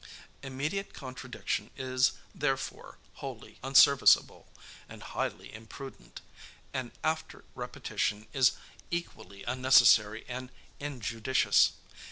Immediate contradiction is, therefore, wholly unserviceable, and highly imprudent; an after repetition is equally unnecessary and injudicious.